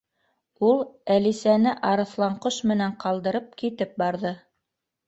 Ул Әлисәне Арыҫланҡош менән ҡалдырып китеп барҙы.